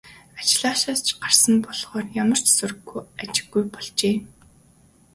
Ажлаасаа ч гарсан болохоор ямар ч сураг ажиггүй болжээ.